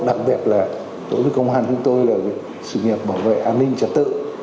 đặc biệt là đối với công an chúng tôi là sự nghiệp bảo vệ an ninh trật tự